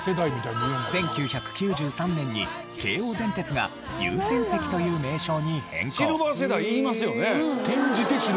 １９９３年に京王電鉄が「優先席」という名称に変更。